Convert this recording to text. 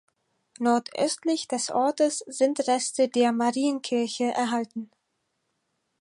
Nordöstlich des Ortes sind Reste der Marienkirche erhalten.